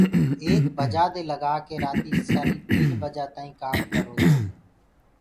ايڪ بجآنٚ دي لگآ ڪي رآتيٚ سآڏيٚ تيٚن بجآ تآئيٚنٚ ڪآم ڪررو تو